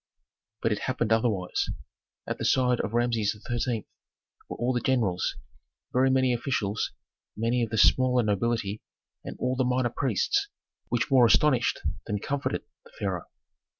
But it happened otherwise. At the side of Rameses XIII. were all the generals, very many officials, many of the smaller nobility and all the minor priests, which more astonished than comforted the pharaoh.